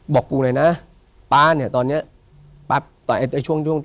บอกปู่หน่อยนะป๊าเนี่ยตอนเนี่ย